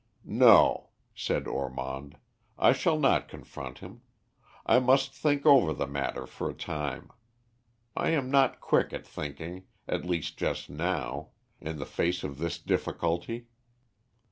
"No," said Ormond, "I shall not confront him. I must think over the matter for a time. I am not quick at thinking, at least just now, in the face of this difficulty.